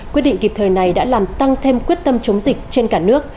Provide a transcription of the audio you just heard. quyết định kịp thời này đã làm tăng thêm quyết tâm chống dịch trên cả nước